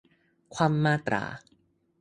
คว่ำมาตรา